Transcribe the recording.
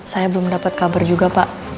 saya belum dapat kabar juga pak